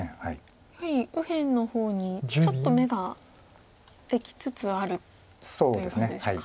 やはり右辺の方にちょっと眼ができつつあるという感じでしょうか。